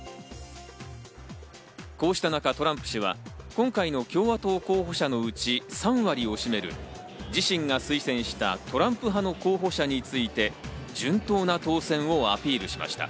こうした中、トランプ氏は今回の共和党候補者のうち３割を占める自身が推薦したトランプ派の候補者らについて順当な当選をアピールしました。